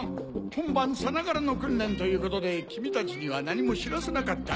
本番さながらの訓練ということで君たちには何も知らせなかったんだよ。